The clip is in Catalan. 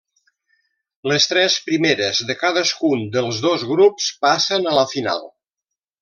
Les tres primeres de cadascun dels dos grups passen a la final.